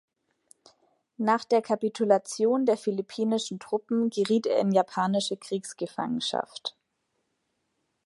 Nach der Kapitulation der philippinischen Truppen geriet er in japanische Kriegsgefangenschaft.